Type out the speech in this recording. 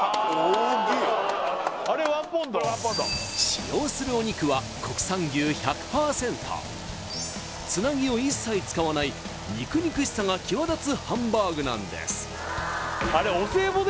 使用するお肉はつなぎを一切使わない肉肉しさが際立つハンバーグなんですあれ